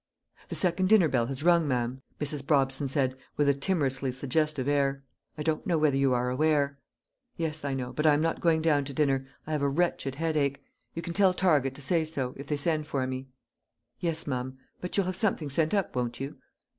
"The second dinner bell has rung, ma'am," Mrs. Brobson said, with a timorously suggestive air; "I don't know whether you are aware." "Yes, I know, but I am not going down to dinner; I have a wretched headache. You can tell Target to say so, if they send for me." "Yes, ma'am; but you'll have something sent up, won't you?"